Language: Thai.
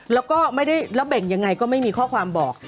แล้วก็ไม่ได้แล้วเบ่งยังไงก็ไม่มีข้อความบอก